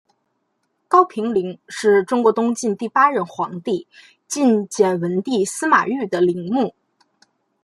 高平陵是中国东晋第八任皇帝晋简文帝司马昱的陵墓。